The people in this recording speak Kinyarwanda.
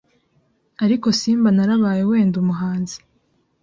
ariko simba narabaye wenda umuhanzi